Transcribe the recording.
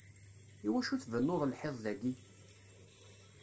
Iwacu tbennuḍ lḥiḍ dayi?